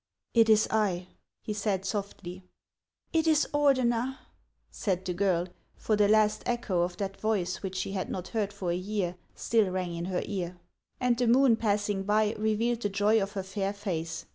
" It is I," he said softly. " It is Ordener !" said the girl ; for the last echo of that voice, which she had not heard for a year, still rang in her ear. And the moon, passing by, revealed the joy of her fail face.